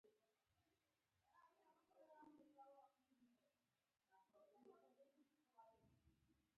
باسواده نجونې د مناظرې په سیالیو کې برخه اخلي.